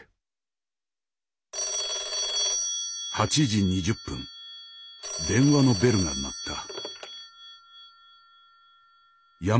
☎「８時２０分電話のベルが鳴った」。